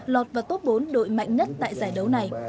lọt vào top bốn đội mạnh nhất tại giải đấu này